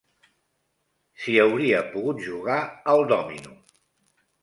S'hi hauria pogut jugar al dòmino